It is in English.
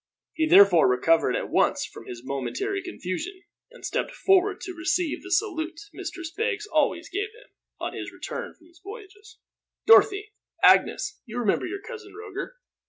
He therefore recovered at once from his momentary confusion, and stepped forward to receive the salute Mistress Beggs always gave him, on his return from his voyages. "Dorothy, Agnes, you remember your Cousin Roger?"